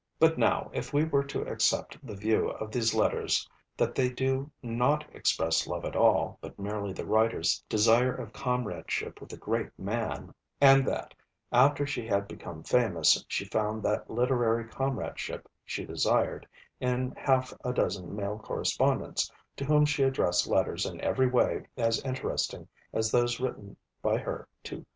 But now, if we were to accept the view of these letters, that they do not express love at all, but merely the writer's 'desire of comradeship with a great man': and that '_after she had become famous "she found that literary comradeship she desired, in half a dozen male correspondents, to whom she addressed letters in every way as interesting as those written by her to M.